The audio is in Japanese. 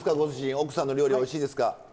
奥さんの料理はおいしいですか？